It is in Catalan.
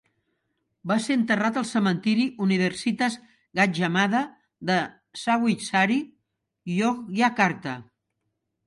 Va ser enterrat al cementiri Universitas Gadjah Mada de Sawitsari, Yogyakarta.